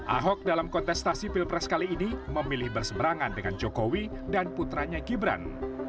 ahok dalam kontestasi pilpres kali ini memilih berseberangan dengan jokowi dan putranya gibran